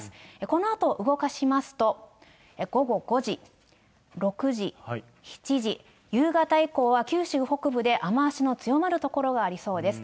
このあと動かしますと、午後５時、６時、７時、夕方以降は九州北部で雨足の強まる所がありそうです。